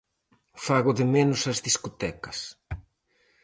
Fago de menos as discotecas